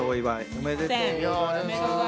おめでとう。